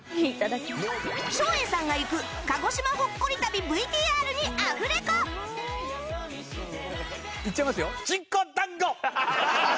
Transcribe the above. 照英さんが行く鹿児島ほっこり旅 ＶＴＲ にアフレコ言っちゃいますよ。